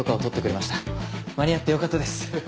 間に合ってよかったです。